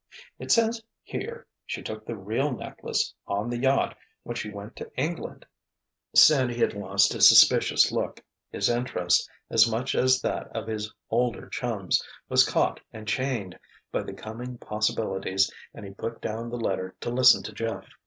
"It says, here, she took the real necklace, on the yacht, when she went to England!" Sandy had lost his suspicious look. His interest, as much as that of his older chums, was caught and chained by the coming possibilities and he put down the letter to listen to Jeff.